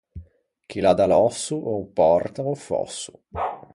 Chi l’à da l’òsso ô pòrta a-o fòsso.